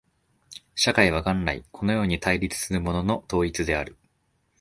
社会は元来このように対立するものの統一である。